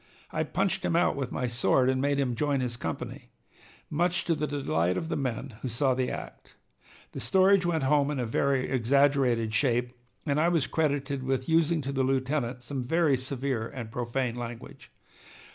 I punched him out with my sword and made him join his company, much to the delight of the men who saw the act. The story went home in a very exaggerated shape, and I was credited with using to the lieutenant some very severe and profane language.